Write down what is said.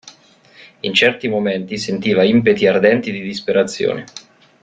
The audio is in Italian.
In certi momenti sentiva impeti ardenti di disperazione.